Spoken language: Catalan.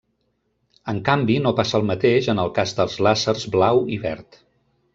En canvi, no passa el mateix en el cas dels làsers blau i verd.